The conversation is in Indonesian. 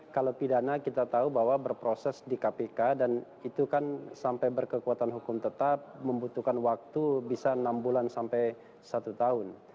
kalau pidana kita tahu bahwa berproses di kpk dan itu kan sampai berkekuatan hukum tetap membutuhkan waktu bisa enam bulan sampai satu tahun